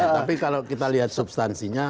tapi kalau kita lihat substansinya